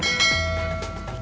semalam gempar setan